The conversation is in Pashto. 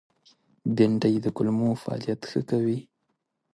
بېنډۍ د کولمو فعالیت ښه کوي